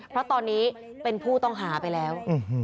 เพราะตอนนี้เป็นผู้ต้องหาไปแล้ว